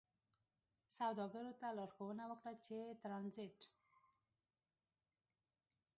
سوداګرو ته لارښوونه وکړه چې ترانزیت